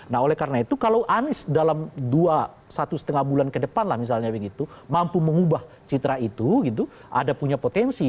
nah oleh karena itu kalau anies dalam dua satu setengah bulan ke depan lah misalnya begitu mampu mengubah citra itu gitu ada punya potensi